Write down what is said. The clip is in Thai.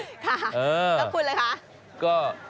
ดังคลุณเลยฮะ